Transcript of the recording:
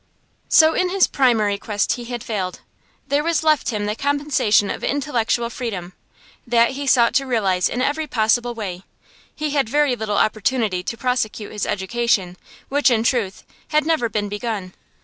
So in his primary quest he had failed. There was left him the compensation of intellectual freedom. That he sought to realize in every possible way. He had very little opportunity to prosecute his education, which, in truth, had never been begun.